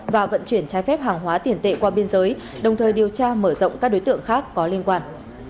và vận chuyển trái phép hàng hóa tiền tệ qua biên giới đồng thời điều tra mở rộng các đối tượng khác có liên quan